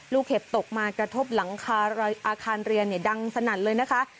เห็บตกมากระทบหลังคาอาคารเรียนดังสนั่นเลยนะคะ